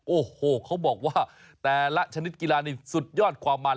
โอ้โหเขาบอกว่าแต่ละชนิดกีฬานี่สุดยอดความมัน